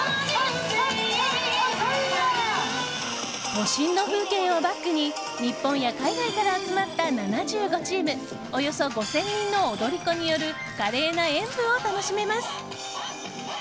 都心の風景をバックに日本や海外から集まった７５チーム、およそ５０００人の踊り子による華麗な演舞を楽しめます。